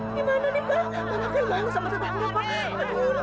gimana ini pak mana kelihatan sama tetapnya pak